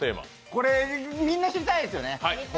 これ、みんな知りたいですよね？